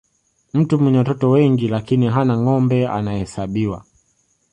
mtu mwenye watoto wengi lakini hana ngombe anahesabiwa